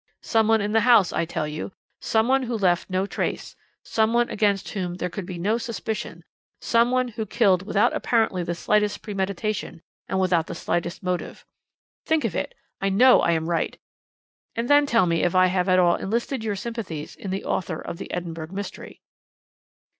"Some one in the house, I tell you some one who left no trace some one against whom there could be no suspicion some one who killed without apparently the slightest premeditation, and without the slightest motive. Think of it I know I am right and then tell me if I have at all enlisted your sympathies in the author of the Edinburgh Mystery."